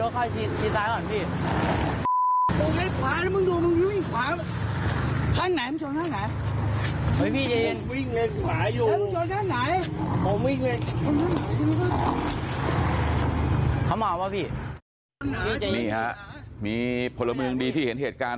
เขามาวะพี่นี่ฮะมีพลเมืองดีที่เห็นเหตุการณ์